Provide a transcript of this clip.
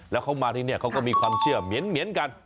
แล้วเขามาที่นี่เขาก็มีความเชื่อเหมียนกัน